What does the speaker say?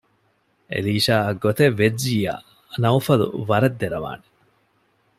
އެލީޝާއަށް ގޮތެއް ވެއްޖިއްޔާ ނައުފަލު ވަރަށް ދެރަވާނެ